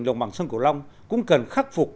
đồng bằng sông cổ long cũng cần khắc phục